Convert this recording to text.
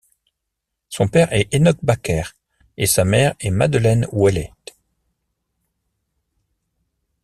Son père est Enoch Baker et sa mère est Madeleine Ouellet.